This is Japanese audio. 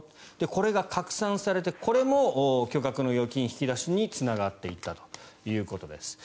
これが拡散されてこれも巨額の預金引き出しにつながっていったということです。